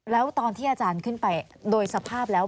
แล้วตอนที่อาจารย์ขึ้นไปโดยสภาพแล้ว